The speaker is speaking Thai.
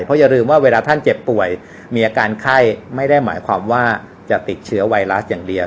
เพราะอย่าลืมว่าเวลาท่านเจ็บป่วยมีอาการไข้ไม่ได้หมายความว่าจะติดเชื้อไวรัสอย่างเดียว